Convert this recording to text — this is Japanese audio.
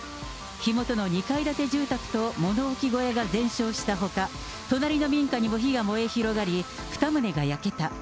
火元の２階建て住宅と物置小屋が全焼したほか、隣の民家にも火が燃え広がり、２棟が焼けた。